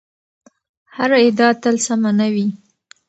هره ادعا تل سمه نه وي.